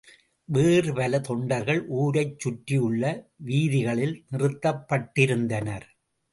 வேறு பல தொண்டர்கள் ஊரைச் சுற்றியுள்ள வீதிகளில் நிறுத்தப் பட்டிருந்தனர்.